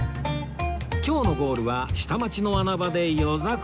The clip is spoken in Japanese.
今日のゴールは下町の穴場で夜桜